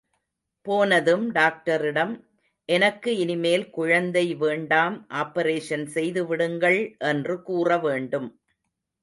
போனதும் டாக்டரிடம், எனக்கு இனிமேல் குழந்தை வேண்டாம் ஆப்பரேஷன் செய்துவிடுங்கள் என்று கூறவேண்டும்.